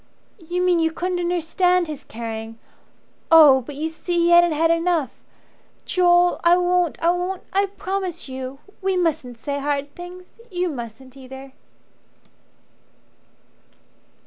"You mean you couldn't understand his caring. Oh, but you see he hadn't had enough Joel, I won't I won't I promise you. We mustn't say hard things. You mustn't either."